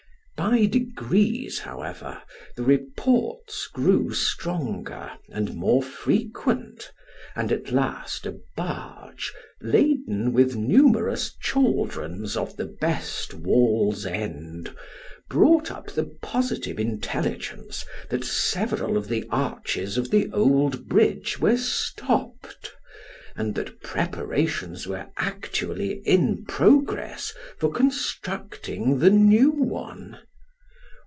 By degrees, however, the reports grew stronger, and more frequent, and at last a barge, laden with numerous chaldrons of the best Wallsend, brought up the positive intelligence that several of the arches of the old bridge were stopped, and that preparations were actually in pro gress for constructing the new one.